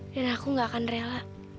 dan aku gak akan rela